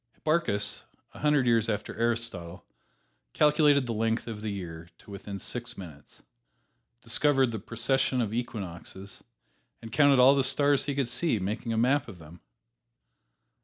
Hipparchus, a hundred years after Aristotle, calculated the length of the year to within six minutes, discovered the precession of equinoxes and counted all the stars he could see, making a map of them.